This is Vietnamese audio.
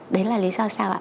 đấy là lý do sao ạ